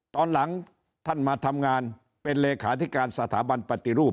ตอนหลังท่านมาทำงานเป็นเลขาธิการสถาบันปฏิรูป